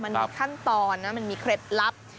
มันมีขั้นตอนนะมันมีเคล็ดลับ